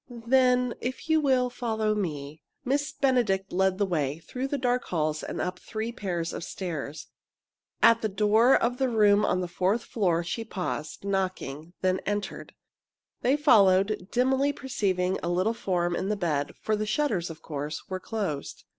"Then, if you will follow me " Miss Benedict led the way, through the dark halls and up three pairs of stairs. At the door of a room on the fourth floor she paused, knocked, and then entered. They followed, dimly perceiving a little form in the bed, for the shutters, of course, were closed.